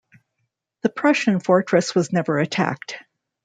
The Prussian fortress was never attacked.